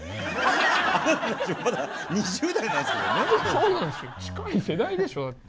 そうなんですよ近い世代でしょだって。